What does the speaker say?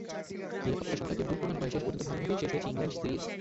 নিরাপত্তাশঙ্কাকে ভুল প্রমাণ করে শেষ পর্যন্ত ভালোভাবেই শেষ হয়েছে ইংল্যান্ড সিরিজ।